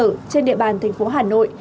trên đệ bàn thành phố hà nội